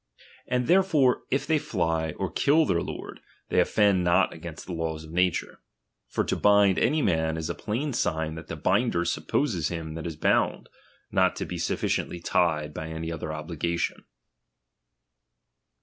And therefore if they fly, or kill their lord, they ofi^end not against the laws of nature. For to bind any man, is a plain sign that the binder supposes him DOMINION, 111 that is bound, not to be sufficiently tied by any chap, other obligation.